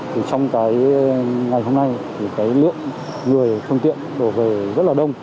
trong ngày hôm nay lượng người thương tiện đổ về rất là đông